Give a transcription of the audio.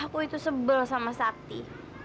aku itu sebel sama sapi